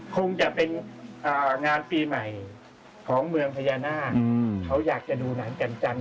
คงจะเป็นงานปีใหม่ของเมืองพญานาคเขาอยากจะดูหนังกันจันท